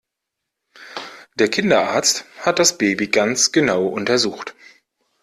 Der Kinderarzt hat das Baby ganz genau untersucht.